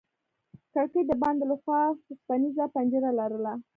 کړکۍ د باندې له خوا وسپنيزه پنجره لرله.